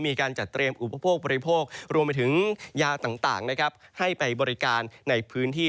มีการจัดเตรียมอุปโภคบริโภครวมไปถึงยาต่างนะครับให้ไปบริการในพื้นที่